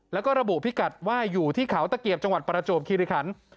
แล้วก็ระบุพิกัดว่าอยู่ที่เขาตะเกียบจังหวัดประจวบคิริขัน